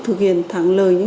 thứ tư anh ạ